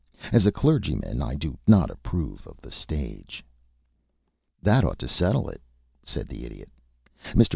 As a clergyman, I do not approve of the stage." "That ought to settle it," said the Idiot. "Mr.